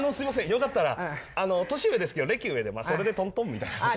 よかったら年上ですけど歴上でそれでトントンみたいな。